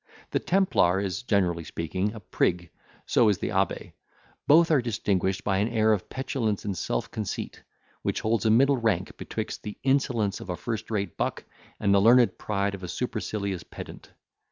The templar is, generally speaking, a prig, so is the abbe: both are distinguished by an air of petulance and self conceit, which holds a middle rank betwixt the insolence of a first rate buck and the learned pride of a supercilious pedant.